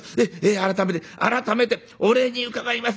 改めて改めてお礼に伺います。